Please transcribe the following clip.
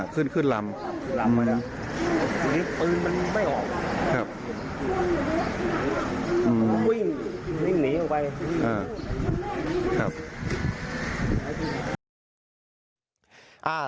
ครับ